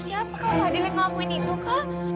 siapa kak fadil yang ngelakuin itu kak